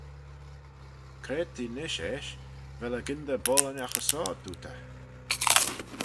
C'raad t'eh nish eisht; vel eh gyndyr boayl ennagh ayns shoh?" dooyrt eh.